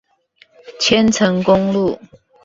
千層公路